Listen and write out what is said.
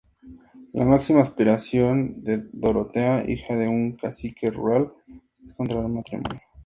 La máxima aspiración de Dorotea, hija de un cacique rural es contraer matrimonio.